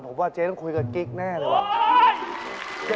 ผมว่าเจ๊ต้องคุยกับกิ๊กแน่เลยว่ะ